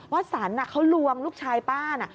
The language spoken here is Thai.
วัดสรรคนนี้เขาลวงลูกชายป้าน่ะ